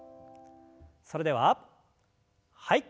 それでははい。